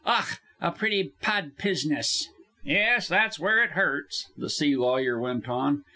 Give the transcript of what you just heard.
Ach! a pretty pad piziness!" "Yes, that's where it hurts," the sea lawyer went on.